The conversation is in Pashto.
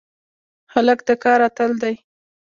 هلک د کار اتل دی.